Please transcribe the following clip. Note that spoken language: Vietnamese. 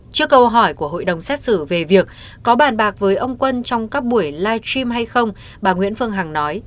trước câu hỏi của hội đồng xét xử về việc có bàn bạc với ông quân trong các buổi live stream hay không bà nguyễn phương hằng nói